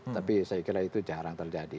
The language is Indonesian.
tapi saya kira itu jarang terjadi